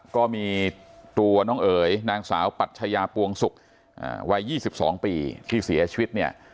ก็มีตัวน้องเอ๋ยนางสาวปัชญาปวงศุกร์วัย๒๒ปีที่เสียชีวิตเนี่ย